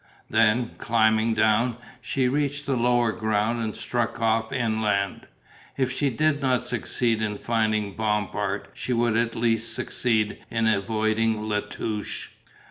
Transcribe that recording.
Then, climbing down, she reached the lower ground and struck off inland. If she did not succeed in finding Bompard she would at least succeed in avoiding La Touche.